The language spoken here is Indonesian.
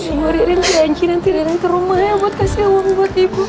tidak ingin rinang rinang ke rumah ya buat kasih uang buat ibu